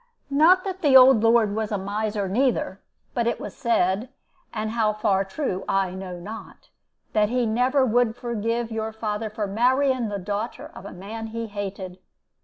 Not that the old lord was a miser neither; but it was said, and how far true I know not, that he never would forgive your father for marrying the daughter of a man he hated.